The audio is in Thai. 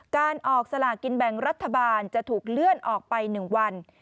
การออกสลากินแบ่งรัฐบาลจะถูกเลื่อนออกไป๑วัน